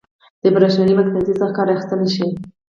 د برېښنايي مقناطیس څخه کار اخیستل ښيي.